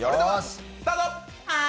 スタート。